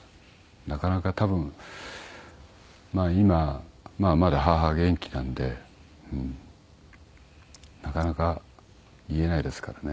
なかなか多分まあ今まだ母は元気なのでなかなか言えないですからね。